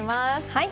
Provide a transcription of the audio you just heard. はい。